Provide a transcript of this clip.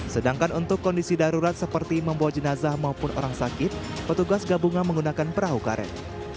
sedangkan untuk kondisi darurat seperti membawa jenazah maupun orang sakit petugas gabungan menggunakan perahu karet